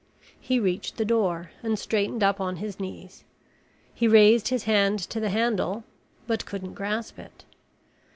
He reached the door and straightened up on his knees. He raised his hand to the handle, but couldn't grasp it.